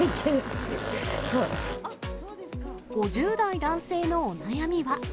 ５０代男性のお悩みは。